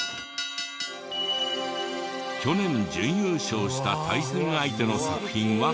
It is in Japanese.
去年準優勝した対戦相手の作品はこちら。